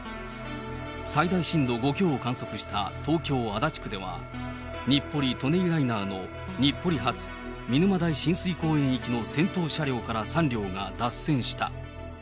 最大震度５強を観測した東京・足立区では、日暮里・舎人ライナーの日暮里発見沼代親水公園行きの先頭車両から３両が脱線した。